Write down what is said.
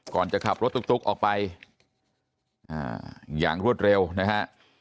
จะขับรถตุ๊กออกไปอย่างรวดเร็วนะฮะ